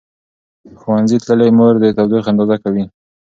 ښوونځې تللې مور د تودوخې اندازه کوي.